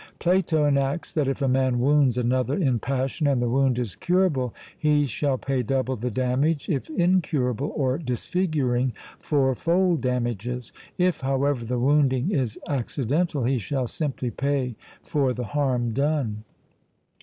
Plato enacts that if a man wounds another in passion, and the wound is curable, he shall pay double the damage, if incurable or disfiguring, fourfold damages. If, however, the wounding is accidental, he shall simply pay for the harm done.